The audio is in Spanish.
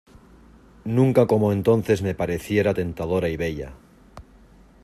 nunca como entonces me pareciera tentadora y bella.